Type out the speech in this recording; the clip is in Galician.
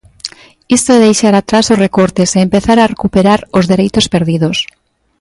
Isto é deixar atrás os recortes e empezar a recuperar os dereitos perdidos.